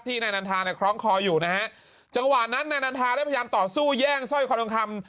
นายนันทาเนี่ยคล้องคออยู่นะฮะจังหวะนั้นนายนันทาได้พยายามต่อสู้แย่งสร้อยคอทองคำ